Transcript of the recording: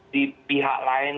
di pihak lain